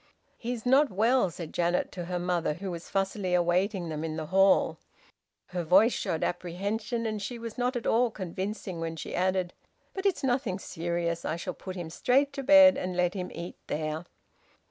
"He's not well," said Janet to her mother, who was fussily awaiting them in the hall. Her voice showed apprehension, and she was not at all convincing when she added: "But it's nothing serious. I shall put him straight to bed and let him eat there."